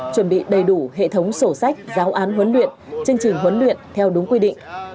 chuẩn bị đầy đủ hệ thống sổ sách giáo án huấn luyện chương trình huấn luyện theo đúng quy định